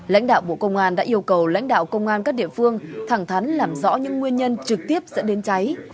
lãnh đạo bộ công an đã yêu cầu lãnh đạo công an các địa phương thẳng thắn làm rõ những nguyên nhân trực tiếp dẫn đến cháy